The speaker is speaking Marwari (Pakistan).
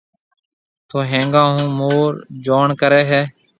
تو ھيَََنگون ھون مور جوڻ ڪرَي ھيََََ